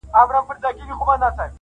• اوس اِمارت دی چي څه به کیږي -